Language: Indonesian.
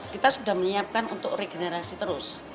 kita sudah menyiapkan untuk regenerasi terus